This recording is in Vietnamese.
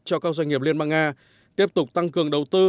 cho các doanh nghiệp liên bang nga tiếp tục tăng cường đầu tư